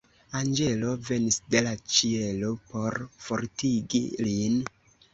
Anĝelo venis de la ĉielo por fortigi lin.